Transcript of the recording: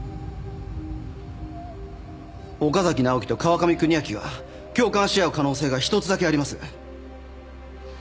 岡崎直樹と川上邦明が共感し合う可能性が１つだけあります。